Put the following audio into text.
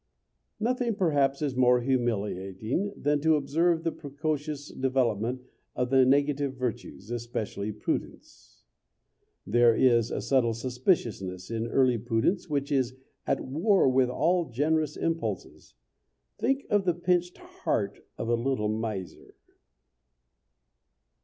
Nothing, perhaps, is more humiliating than to observe the precocious development of the negative virtues, especially prudence. There is a subtle suspiciousness in early prudence which is at war with all generous impulses. Think of the pinched heart of a little miser.